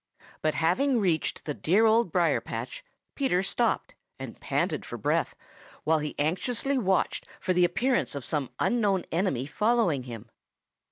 But having reached the dear Old Briar patch Peter stopped and panted for breath while he anxiously watched for the appearance of some unknown enemy following him.